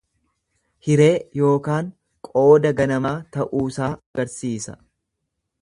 Hiree yookaan qooda ganamaa ta'uusaa agarsiisa.